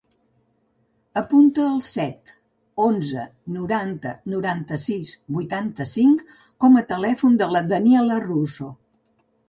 Apunta el set, onze, noranta, noranta-sis, vuitanta-cinc com a telèfon de la Daniella Rosu.